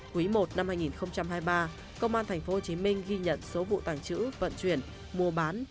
quý i năm hai nghìn hai mươi ba công an tp hcm ghi nhận số vụ tàng trữ vận chuyển mua bán